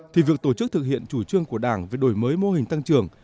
thì việc tổ chức thực hiện chủ trương của đảng về đổi mới mô hình tăng trưởng